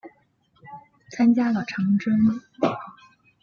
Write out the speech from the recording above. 参加了长征。